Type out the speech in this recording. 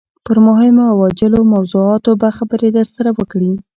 پر مهمو او عاجلو موضوعاتو به خبرې درسره وکړي.